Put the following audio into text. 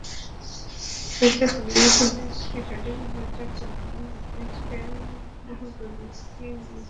সূর্যসেনের ইতিহাসকে সঠিকভাবে চর্চা করলে ইতিহাসকে বহুদূর এগিয়ে নিয়ে যাওয়া যাবে।